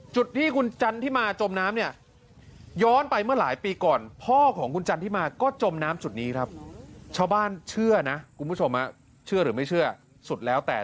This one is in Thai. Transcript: จุดที่คุณจันทิมาจมน้ำเนี่ย